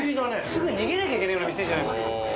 すぐ逃げなきゃいけないような店じゃないですか？